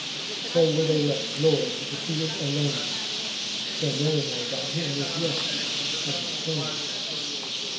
So were they left lords of the field alone : So Marinell by him was refcu'd from his fone.